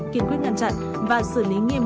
kiên quyết ngăn chặn và xử lý nghiêm